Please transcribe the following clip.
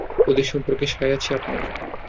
ওদের সম্পর্কে সায় আছে আপনার?